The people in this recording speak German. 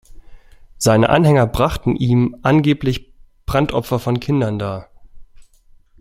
Seine Anhänger brachten ihm angeblich Brandopfer von Kindern dar.